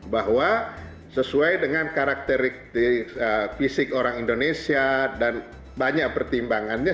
bahwa sesuai dengan karakteristik fisik orang indonesia dan banyak pertimbangannya